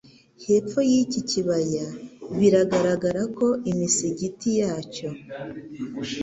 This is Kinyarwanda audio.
hepfo yiki kibaya biragaragara ko imisigiti yacyo